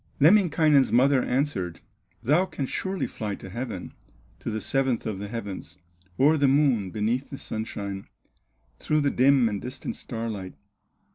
Lemminkainen's mother answered: "Thou canst surely fly to heaven, To the seventh of the heavens, O'er the Moon, beneath the sunshine, Through the dim and distant starlight.